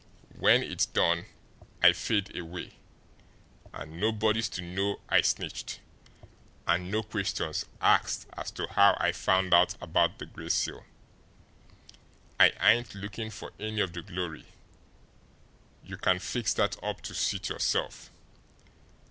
When it's done I fade away, and nobody's to know I snitched, and no questions asked as to how I found out about the Gray Seal. I ain't looking for any of the glory you can fix that up to suit yourself.